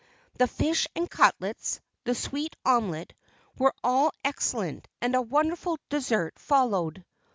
The fish and cutlets, and sweet omelette, were all excellent; and a wonderful dessert followed.